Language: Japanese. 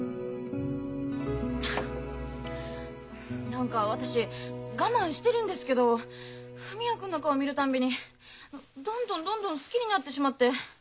何か私我慢してるんですけど文也君の顔見るたんびにどんどんどんどん好きになってしまって。